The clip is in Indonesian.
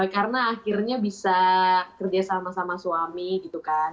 karena akhirnya bisa kerja sama sama suami gitu kan